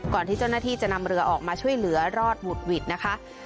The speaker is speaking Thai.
ที่เจ้าหน้าที่จะนำเรือออกมาช่วยเหลือรอดหวุดหวิดนะคะ